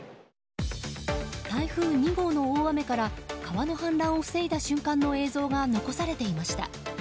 台風２号の大雨から川の氾濫を防いだ瞬間の映像が残されていました。